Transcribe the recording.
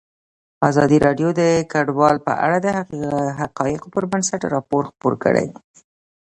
ازادي راډیو د کډوال په اړه د حقایقو پر بنسټ راپور خپور کړی.